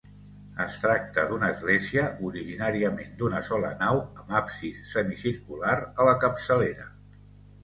Es tracta d'una església originàriament d'una sola nau amb absis semicircular a la capçalera.